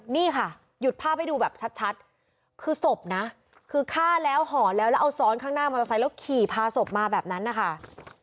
นี่ค่ะหยุดภาพให้ดูแบบชัดคือศพนะคือฆ่าแล้วห่อแล้วแล้วเอาซ้อนข้างหน้ามอเตอร์ไซค์แล้วขี่พาศพมาแบบนั้นนะคะ